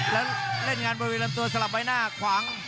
แล้วเล่นงานบริเวณลำตัวสลับใบหน้าขวาง